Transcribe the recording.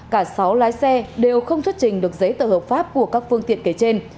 cả sáu lái xe đều không xuất trình được giấy tờ hợp pháp của các phương tiện kể trên